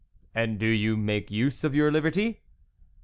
"" And do you make use of your liberty